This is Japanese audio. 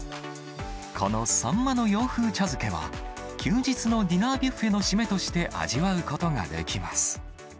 このサンマの洋風茶漬けは、休日のディナーブッフェの締めとして味わうことができます。